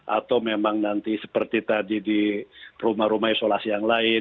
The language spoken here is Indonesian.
atau memang nanti seperti tadi di rumah rumah isolasi yang lain